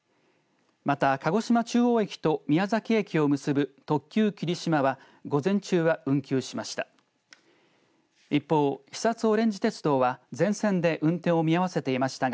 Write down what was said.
また鹿児島中央駅と宮崎駅を結ぶ特急きりしまは午前中は運休しました。